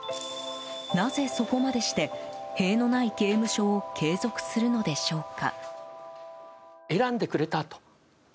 なぜ、そこまでして塀のない刑務所を継続するのでしょうか。